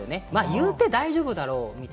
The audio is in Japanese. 言うて大丈夫だろうって。